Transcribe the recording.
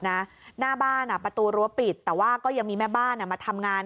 หน้าบ้านประตูรั้วปิดแต่ว่าก็ยังมีแม่บ้านมาทำงาน